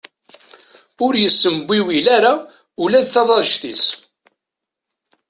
Ur yessembiwil ara ula d taḍadect-is.